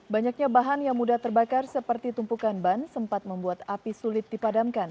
banyaknya bahan yang mudah terbakar seperti tumpukan ban sempat membuat api sulit dipadamkan